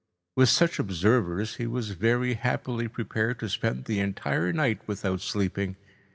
With such observers, he was very happily prepared to spend the entire night without sleeping.